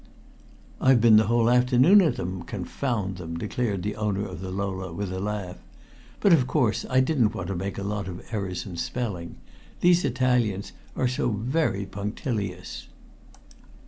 "I've been the whole afternoon at them confound them!" declared the owner of the Lola with a laugh. "But, of course, I didn't want to make a lot of errors in spelling. These Italians are so very punctilious."